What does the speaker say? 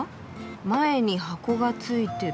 前に箱がついてる。